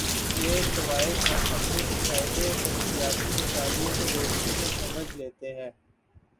یہ قواعد ہم اپنے مشاہدے اور تجزیاتی مطالعے کی روشنی میں سمجھ لیتے ہیں